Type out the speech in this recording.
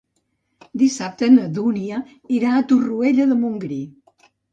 Dissabte na Dúnia irà a Torroella de Montgrí.